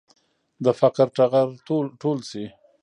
د فقر ټغر ټول شي.